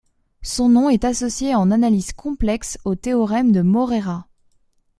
Son nom est associé en analyse complexe au théorème de Morera.